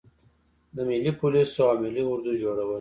د ملي پولیسو او ملي اردو جوړول.